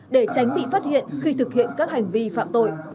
để tránh bị phát hiện khi thực hiện các hành vi phạm tội